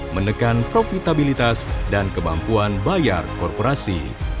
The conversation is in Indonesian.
menekan profitabilitas dan kemampuan bayar korporasi